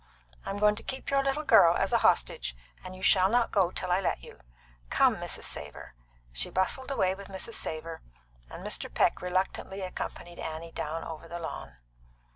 I'm going to keep your little girl as a hostage, and you shall not go till I let you. Come, Mrs. Savor!" She bustled away with Mrs. Savor, and Mr. Peck reluctantly accompanied Annie down over the lawn.